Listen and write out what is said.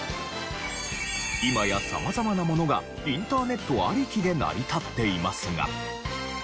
今や様々なものがインターネットありきで成り立っていますが。